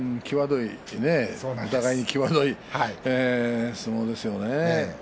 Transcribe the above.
お互いに際どい相撲ですよね。